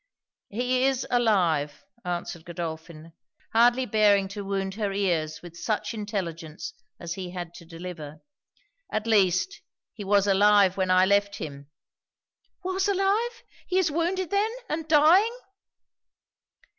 'He is alive,' answered Godolphin, hardly bearing to wound her ears with such intelligence as he had to deliver 'at least he was alive when I left him.' 'Was alive! He is wounded then and dying!'